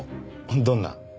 どんな？